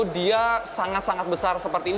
dia sangat sangat besar seperti ini